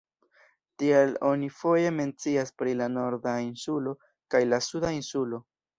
Tial oni foje mencias pri la Norda Insulo kaj la Suda Insulo.